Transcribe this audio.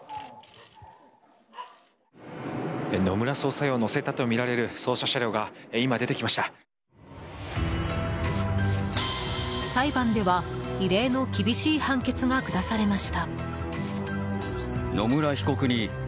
裁判では異例の厳しい判決が下されました。